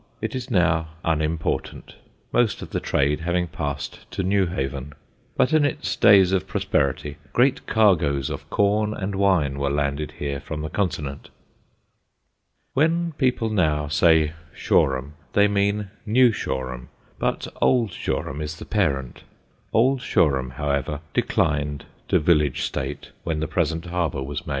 It is now unimportant, most of the trade having passed to Newhaven; but in its days of prosperity great cargoes of corn and wine were landed here from the Continent. When people now say Shoreham they mean New Shoreham, but Old Shoreham is the parent. Old Shoreham, however, declined to village state when the present harbour was made.